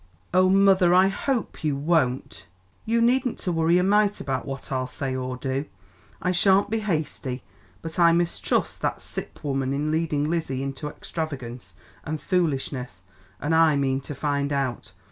"Oh, mother, I hope you won't " "You needn't to worry a mite about what I'll say or do, I shan't be hasty; but I mistrust that Sipp woman is leading Lizzie into extravagance and foolishness, and I mean to find out.